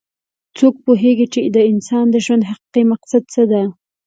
څوک پوهیږي چې د انسان د ژوند حقیقي مقصد څه ده